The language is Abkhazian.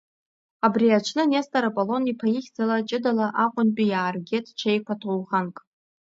Абри аҽны Нестор Аполлон-иԥа ихьӡала ҷыдала Аҟәантәи иааргеит ҽеиқәа ҭоуӷанк.